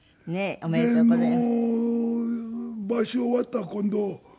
ありがとうございます。